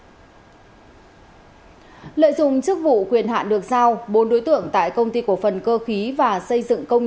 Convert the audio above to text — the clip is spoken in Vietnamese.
lợi dụng chức vụ quyền hạn được giao bốn đối tượng tại công ty cổ phần cơ khí và xây dựng công